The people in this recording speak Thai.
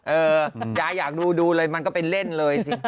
เออยายอยากดูดูเลยมันก็ไปเล่นเลยสิ